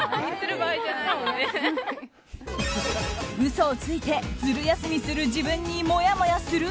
嘘をついてズル休みする自分にもやもやする？